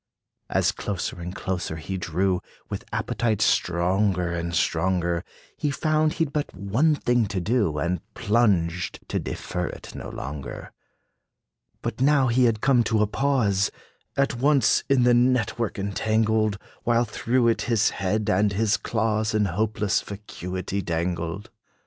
As closer and closer he drew, With appetite stronger and stronger, He found he 'd but one thing to do, And plunged, to defer it no longer. But now had he come to a pause, At once in the net work entangled, While through it his head and his claws In hopeless vacuity dangled.